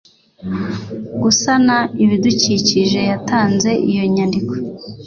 gusana ibidukikije yatanze iyo nyandiko